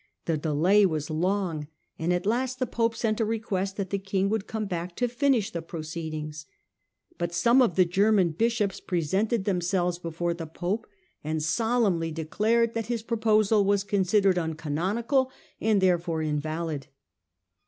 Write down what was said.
The delay was long, and at last the pope sent a request that the king would come back to finish the proceed ings. But some of the German bishops presented them selves before the pope, and solemnly declared that his proposal was considered uncanonical and therefore in valid.